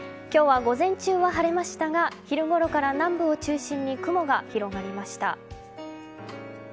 今日は午前中は晴れましたが昼ごろから南部を中心に雲が広がりました。